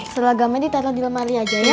selegamnya ditaro di lemari aja ya